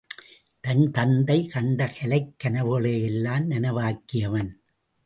தன் தந்தை கண்ட கலைக் கனவுகளையெல்லாம் நனவாக்கியவன்.